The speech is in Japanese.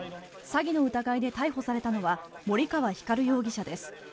詐欺の疑いで逮捕されたのは森川光容疑者です。